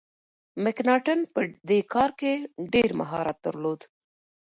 مکناټن په دې کار کي ډیر مهارت درلود.